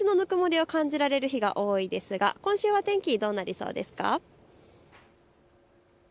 片山さん、最近、日ざしのぬくもりを感じられる日が多いですが今週は天気どうなりそうですか。